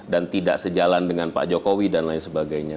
dan tidak sejalan dengan pak jokowi dan lain sebagainya